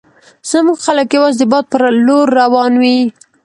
زموږ خلک یوازې د باد په لور روان وي.